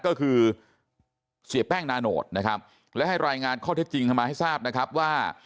ก็คือเสียแป้งนาโนตนะครับและให้รายงานข้อเท็จจริงเข้ามาให้ทราบนะครับว่า